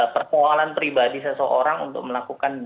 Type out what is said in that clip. persoalan pribadi seseorang untuk melakukan